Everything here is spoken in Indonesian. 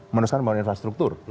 meneruskan membangun infrastruktur